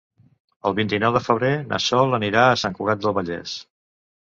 El vint-i-nou de febrer na Sol anirà a Sant Cugat del Vallès.